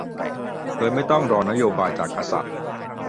โดยไม่ต้องรอนโยบายจากกษัตริย์